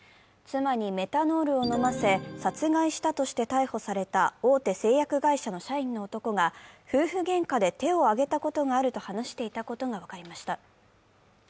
妻にメタノールを飲ませて殺害したとして逮捕された大手製薬会社社員の男が、夫婦げんかで手を上げたことがあると話していたことが分かりました。